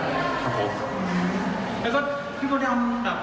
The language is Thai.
ตอนนี้เขาโสดอยู่แล้วนะครับพี่น้อง